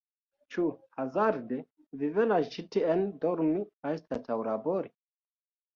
Ĉu hazarde Vi venas ĉi tien dormi anstataŭ labori?